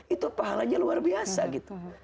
itu pahalanya luar biasa gitu